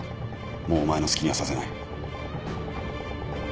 もうお前の好きにはさせない。